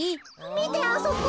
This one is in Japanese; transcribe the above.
みてあそこ。